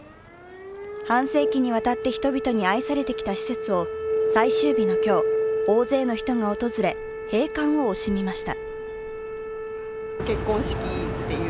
半世紀にわたって人々に愛されてきた施設を最終日の今日大勢の人が訪れ閉館を惜しみました。